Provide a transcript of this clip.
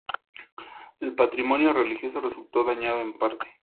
El patrimonio religioso resultó dañado en parte.